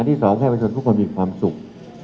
ที่สองให้ประชนทุกคนมีความสุข